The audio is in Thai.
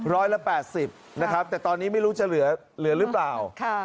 ร้อยละ๘๐นะครับแต่ตอนนี้ไม่รู้จะเหลือหรือเปล่า